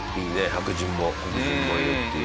白人も黒人もいるっていう。